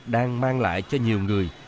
đang mang lại cho nhiều người